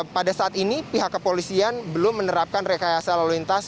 pada saat ini pihak kepolisian belum menerapkan rekayasa lalu lintas